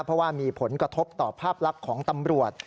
เพราะว่ามีผลกระทบต่อภาพลักษณ์ของตำรวจ